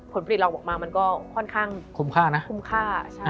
ผลผลิตเราออกมามันก็ค่อนข้างคุ้มค่า